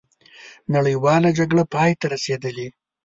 نړیواله جګړه پای ته رسېدلې.